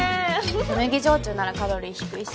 麦焼酎ならカロリー低いし。